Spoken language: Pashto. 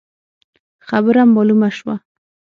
خبره مالومه شوه.